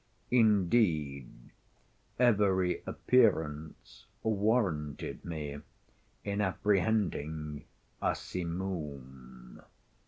Indeed, every appearance warranted me in apprehending a Simoom.